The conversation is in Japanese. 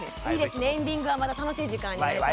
エンディングはまた楽しい時間になりそう。